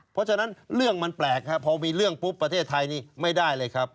เพราะฉะนั้นเรื่องมันแปลกครับพอมีเรื่องปุ๊บประเทศไทยนี่ไม่ได้เลยครับ